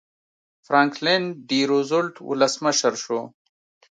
فرانکلن ډي روزولټ ولسمشر شو.